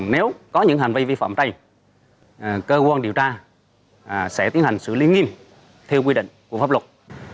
nếu có những hành vi vi phạm trên cơ quan điều tra sẽ tiến hành xử lý nghiêm theo quy định của pháp luật